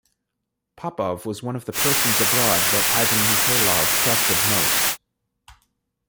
Popov was one of the persons abroad that Ivan Mihailov trusted most.